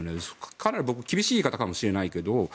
かなり厳しい言い方かもしれないけど